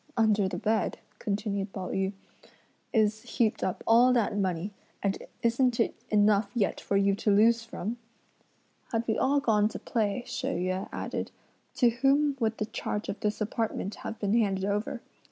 "Under the bed," continued Pao yü, "is heaped up all that money, and isn't it enough yet for you to lose from?" "Had we all gone to play," She Yüeh added, "to whom would the charge of this apartment have been handed over?